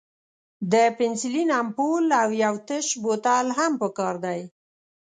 د پنسلین امپول او یو تش بوتل هم پکار دی.